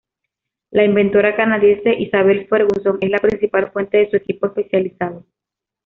La inventora canadiense Isabel Ferguson es la principal fuente de su equipo especializado.